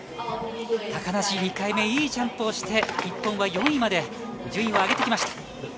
高梨、２回目いいジャンプをして日本は４位まで順位を上げてきました。